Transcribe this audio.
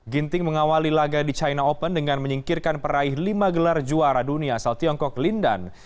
ginting mengawali laga di china open dengan menyingkirkan peraih lima gelar juara dunia asal tiongkok lindan